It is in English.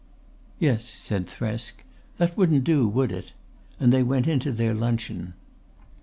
"Yes," said Thresk. "That wouldn't do, would it?" and they went in to their luncheon.